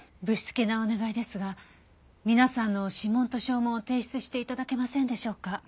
ぶしつけなお願いですが皆さんの指紋と掌紋を提出して頂けませんでしょうか？